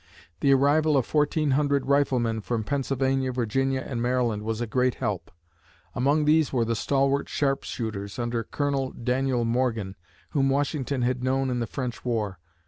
The arrival of fourteen hundred riflemen from Pennsylvania, Virginia and Maryland was a great help; among these were the stalwart sharp shooters under Colonel Daniel Morgan, whom Washington had known in the French war.